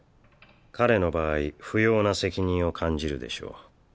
彼の場合不要な責任を感じるでしょう。